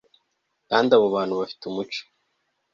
kandi abo bantu bafite umuco